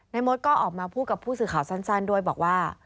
มดก็ออกมาพูดกับผู้สื่อข่าวสั้นด้วยบอกว่า